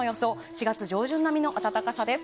４月上旬並みの暖かさです。